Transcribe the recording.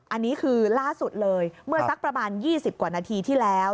อันนี้คือล่าสุดเลยเมื่อสักประมาณ๒๐กว่านาทีที่แล้ว